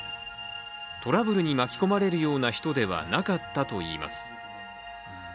トラブルに巻き込まれるような人ではなかったといいます。